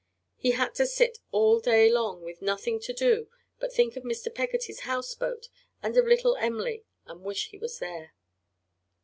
He had to sit all day long with nothing to do but think of Mr. Peggotty's house boat and of little Em'ly and wish he was there.